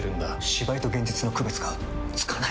芝居と現実の区別がつかない！